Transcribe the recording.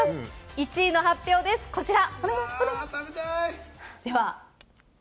１位の発表です、こちら。